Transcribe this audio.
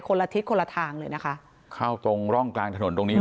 ละทิศคนละทางเลยนะคะเข้าตรงร่องกลางถนนตรงนี้